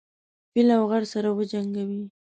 فيل او غر سره وجنګوي.